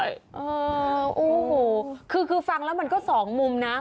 อ่าโอ้โฮคือฟังแล้วมันก็๒มุมนะ